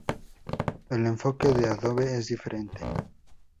El enfoque de Adobe es diferente.